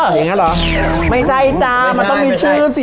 ไม่ใช่ไม่ใช่เนี่ยมันต้องมีชื่อสิ